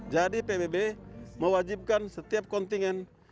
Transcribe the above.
jadi pbb mewajibkan setiap kontingen